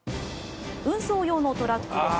運送用のトラックです。